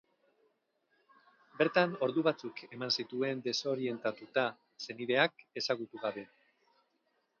Bertan ordu batzuk eman zituen desorientatuta, senideak ezagutu gabe.